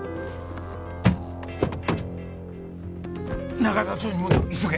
永田町に戻る急げ。